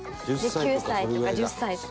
９歳とか１０歳とか